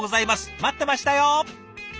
待ってましたよ！